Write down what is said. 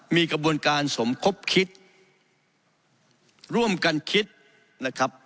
มีกระบวนการสมคบคิดร่วมกันคิดนะครับ